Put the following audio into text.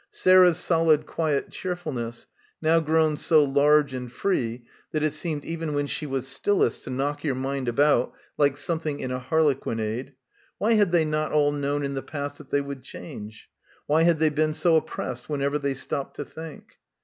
... Sarah's solid quiet cheerfulness, now grown so large and free that it seemed even when she was stillest to knock your mind about like something in a harlequinade. ... Why had they not all known in the past that they would change ? Why had they been so oppressed when ever they stopped to think?